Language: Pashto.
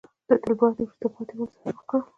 د تلپاتې وروسته پاتې والي سره یې مخ کړل.